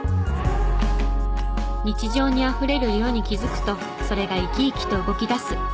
日常にあふれる色に気づくとそれが生き生きと動きだす。